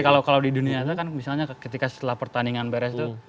kalau di dunia itu kan misalnya ketika setelah pertandingan beres itu